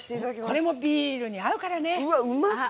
これもビールに合うから。